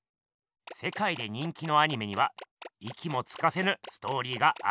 せかいで人気のアニメにはいきもつかせぬストーリーがありますよね。